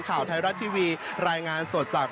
ข่าวไทยรัฐทีวีรายงานสดจาก